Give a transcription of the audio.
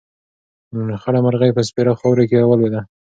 خړه مرغۍ په سپېرو خاورو کې راولوېده.